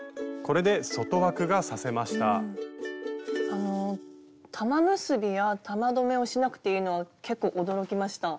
あの玉結びや玉留めをしなくていいのは結構驚きました。